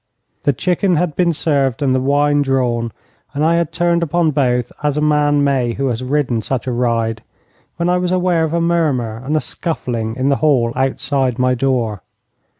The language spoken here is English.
The chicken had been served and the wine drawn, and I had turned upon both as a man may who has ridden such a ride, when I was aware of a murmur and a scuffling in the hall outside my door.